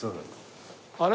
あれ？